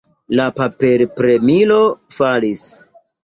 La paperpremilo falis.